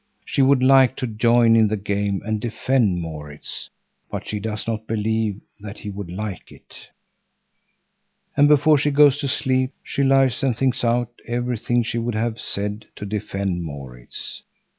She would like to join in the game and defend Maurits, but she does not believe that he would like it. And before she goes to sleep, she lies and thinks out everything she would have said to defend Maurits.